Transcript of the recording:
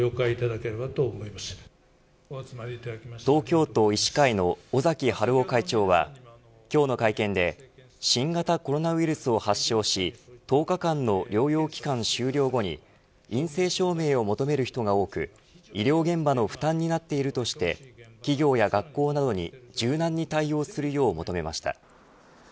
東京都医師会の尾崎治夫会長は今日の会見で新型コロナウイルスを発症し１０日間の療養期間を終了後に陰性証明を求める人が多く医療現場の負担になっているとして企業や学校などに柔軟に対応するよう求めました。